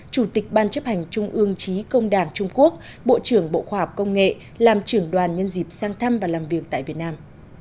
chủ tịch ban chấp hành trung ương trí công đảng trung quốc bộ trưởng bộ khoa học công nghệ làm trưởng đoàn nhân dịp sang thăm và làm việc tại việt nam